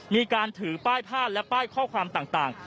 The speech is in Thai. มีการถือป้ายผ้าและป้ายข้อความต่าง